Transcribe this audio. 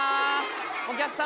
お客様。